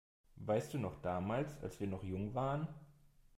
Weißt du noch damals, als wir noch jung waren?